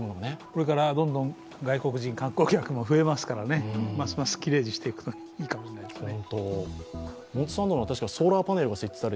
これからどんどん外国人観光客も増えますからね、ますますきれいにしていくといいかもしれないですね。